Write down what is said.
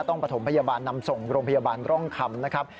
ประถมพยาบาลนำส่งโรงพยาบาลร่องคำนะครับ